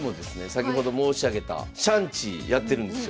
先ほど申し上げたシャンチーやってるんですよ。